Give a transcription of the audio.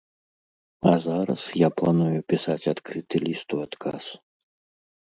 А зараз я планую пісаць адкрыты ліст у адказ.